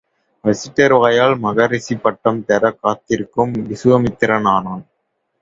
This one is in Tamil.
வசிட்டர் வாயால் மகரிஷி பட்டம் பெறக் காத்திருக்கும் விசுவாமித்திரன் ஆனான்.